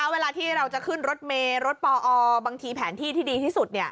เวลาที่เราจะขึ้นรถเมย์รถปอบางทีแผนที่ที่ดีที่สุด